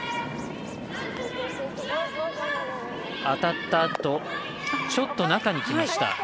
当たったあとちょっと中にきました。